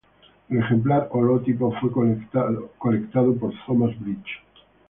El ejemplar holotipo fue colectado por Thomas Bridges.